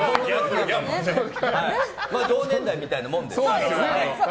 同年代みたいなもんです。